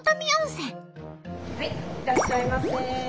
いらっしゃいませ。